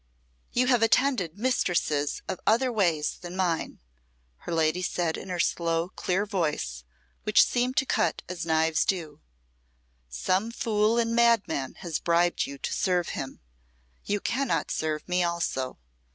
"You have attended mistresses of other ways than mine," her lady said in her slow, clear voice, which seemed to cut as knives do. "Some fool and madman has bribed you to serve him. You cannot serve me also.